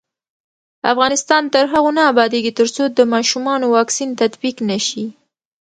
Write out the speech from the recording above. افغانستان تر هغو نه ابادیږي، ترڅو د ماشومانو واکسین تطبیق نشي.